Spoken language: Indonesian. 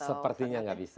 sepertinya nggak bisa